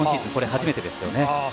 初めてですよね。